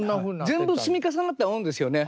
全部積み重なった思うんですよね。